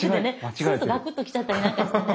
そうするとガクッときちゃったりなんかしてね。